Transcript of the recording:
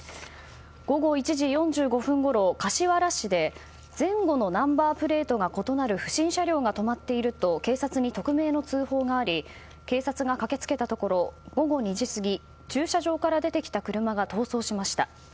午後１時４５分ごろ、柏原市で前後のナンバープレートが異なる不審車両が止まっていると警察に匿名の通報があり警察が駆け付けたところ午後２時過ぎ駐車場から出てきた車が逃走しました。